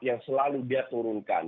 yang selalu dia turunkan